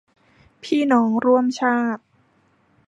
พี่น้องร่วมชาติ